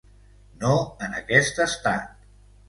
No en aquest estat.